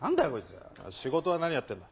仕事は何やってんだ？